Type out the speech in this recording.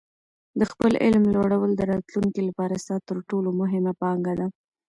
د خپل علم لوړول د راتلونکي لپاره ستا تر ټولو مهمه پانګه ده.